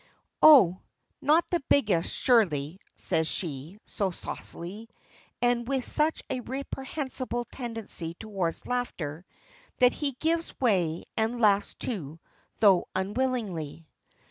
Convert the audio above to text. "Oh! not the biggest, surely," says she, so saucily, and with such a reprehensible tendency towards laughter, that he gives way and laughs too, though unwillingly.